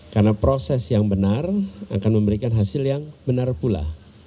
karena proses yang benar akan memberikan hasil yang benar pula